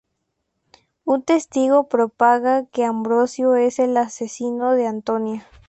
Un testigo propaga que Ambrosio es el asesino de Antonia.